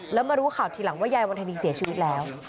แล้วมารู้ข่าวทีหลังว่ายายวันธนีเสียชีวิตแล้ว